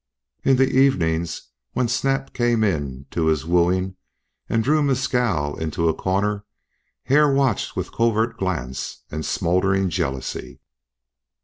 In the evenings when Snap came in to his wooing and drew Mescal into a corner, Hare watched with covert glance and smouldering jealousy.